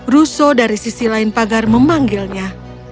russo dari sisi lain pagar memanggilnya